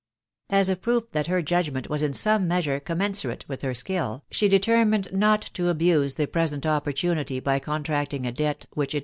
As a proof that her judgment was in some measure com mensurate with her skill, she determined oat to *tov»fe <&& present opportunity by contracting a te\ft ^Yn&l \\.